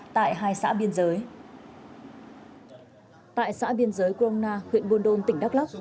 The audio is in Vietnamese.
tại xã biên giới grona huyện buôn đôn tỉnh đắk lắk